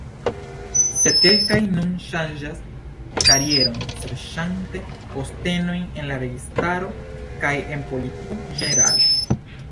Sed kelkaj nun ŝanĝas karieron serĉante postenojn en la registaro kaj en politiko ĝenerale.